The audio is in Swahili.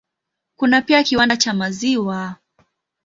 Kuna pia kiwanda cha maziwa.